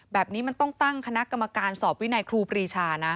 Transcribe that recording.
แบบนี้มันต้องตั้งคณะกรรมการสอบวินัยครูปรีชานะ